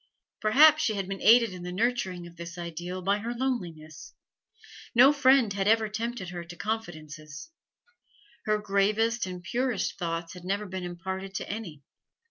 Perhaps she had been aided in the nurturing of this ideal by her loneliness; no friend had ever tempted her to confidences; her gravest and purest thoughts had never been imparted to any.